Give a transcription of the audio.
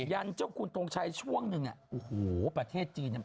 ยันเจ้าคุณทงชัยช่วงนึงโอ้โฮประเทศจีน